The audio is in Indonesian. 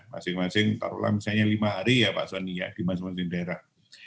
masing masing taruhlah misalnya lima hari ya pak soni ya di masing masing daerah